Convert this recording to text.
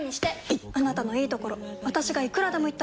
いっあなたのいいところ私がいくらでも言ってあげる！